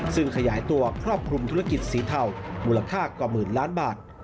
ซึ่งขยายตัวครอบคลุมธุรกิจสีเทามูลค่ากว่าหมื่นล้านบาท